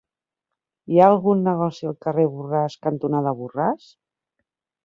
Hi ha algun negoci al carrer Borràs cantonada Borràs?